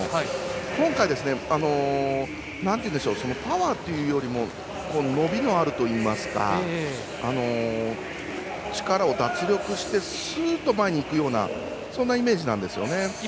今回はパワーっていうよりも伸びのあるといいますか力を脱力してすーっと前にいくようなそんなイメージなんですよね。